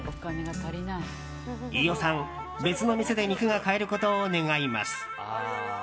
飯尾さん、別の店で肉が買えることを願います。